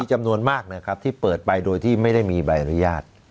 จำนวนมากนะครับที่เปิดไปโดยที่ไม่ได้มีใบอนุญาต